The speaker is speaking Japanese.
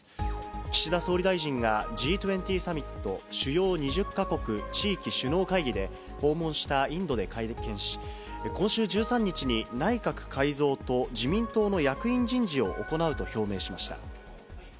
岸田総理大臣が、Ｇ２０サミット・主要２０か国地域首脳会議で、訪問したインドで会見し、今週１３日に内閣改造と自民党の役員人事を行うと表明しました。